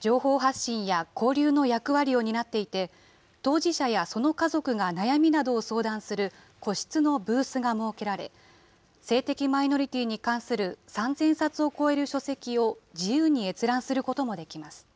情報発信や交流の役割を担っていて、当事者やその家族が悩みなどを相談する個室のブースが設けられ、性的マイノリティーに関する３０００冊を超える書籍を自由に閲覧することもできます。